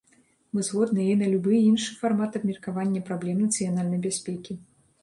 Мы згодныя і на любы іншы фармат абмеркавання праблем нацыянальнай бяспекі.